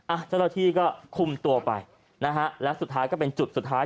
เจ้าหน้าที่ก็คุมตัวไปนะฮะและสุดท้ายก็เป็นจุดสุดท้าย